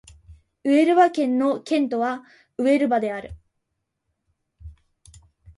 ウエルバ県の県都はウエルバである